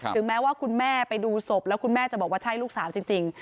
แม้ว่าคุณแม่ไปดูศพแล้วคุณแม่จะบอกว่าใช่ลูกสาวจริง